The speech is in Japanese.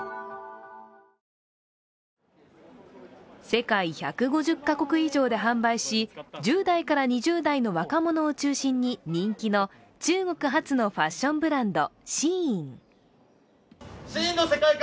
世界１５０か国以上で販売し１０代から２０代の若者を中心に人気の中国発のファッションブランド、ＳＨＥＩＮ。